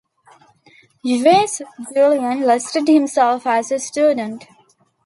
Yves Julien listed himself as a student.